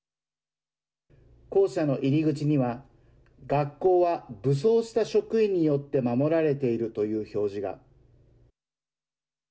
校舎の入り口には学校は武装した職員によって守られているという表示が。